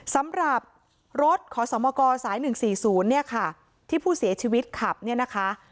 สำหรับรถขอสมกรสายหนึ่งสี่ศูนย์เนี่ยค่ะที่ผู้เสียชีวิตขับเนี่ยนะคะ